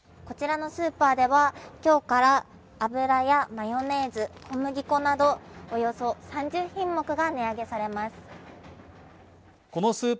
こちらのスーパーでは今日から油やマヨネーズ小麦粉などおよそ３０品目が値上げされます